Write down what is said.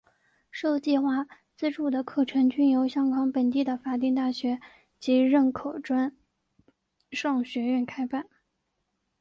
受计划资助的课程均由香港本地的法定大学及认可专上学院开办。